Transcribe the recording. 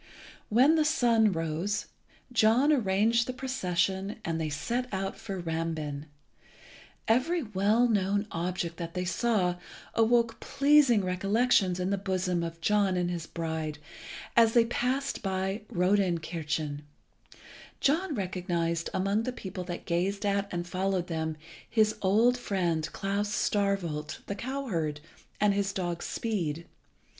When the sun rose, John arranged the procession, and they set out for Rambin. Every well known object that they saw awoke pleasing recollections in the bosom of John and his bride; and as they passed by Rodenkirchen, John recognised, among the people that gazed at and followed them, his old friend Klas Starkwolt, the cowherd, and his dog Speed.